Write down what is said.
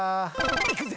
いくぜ！